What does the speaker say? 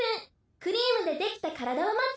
クリームでできた体をもつ。